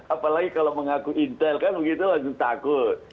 apalagi kalau mengaku intel kan begitu langsung takut